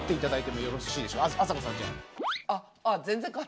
あさこさんじゃあ。